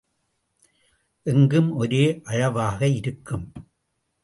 எங்கும் ஒரே அளவாக இருக்கும்.